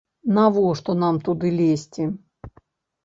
Навошта нам туды лезці?